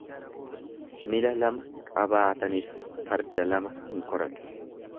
Mila lama qabaatanif farda lama hin koran.